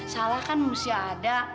salah kan mesti ada